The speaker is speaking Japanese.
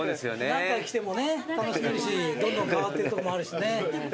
何回来てもね楽しめるしどんどん変わってるとこもあるしね。